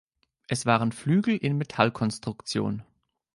Es waren Flügel in Metallkonstruktion.